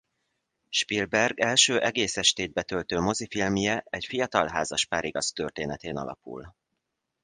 Spielberg első egész estét betöltő mozifilmje egy fiatal házaspár igaz történetén alapul.